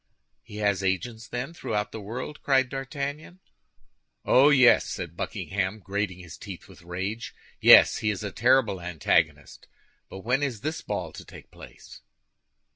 "He has agents, then, throughout the world?" cried D'Artagnan. "Oh, yes," said Buckingham, grating his teeth with rage. "Yes, he is a terrible antagonist. But when is this ball to take place?"